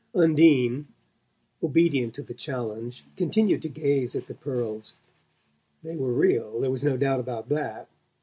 Undine, obedient to the challenge, continued to gaze at the pearls. They were real; there was no doubt about that.